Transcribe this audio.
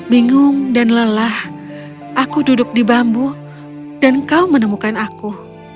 bingung dan lelah aku duduk di bambu dan kau menemukan aku